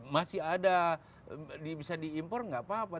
masih ada bisa diimpor nggak apa apa